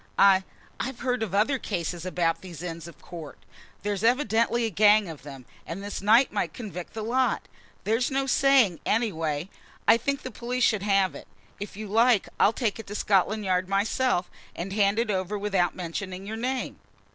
I I've heard of other cases about these Inns of Court. There's evidently a gang of them, and this knife might convict the lot; there's no saying; anyway I think the police should have it. If you like I'll take it to Scotland Yard myself, and hand it over without mentioning your name."